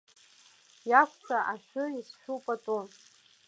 Иақәҵа ашәы исшәу пату.